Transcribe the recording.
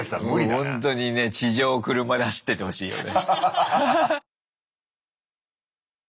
もうほんとにね地上を車で走っててほしいよね。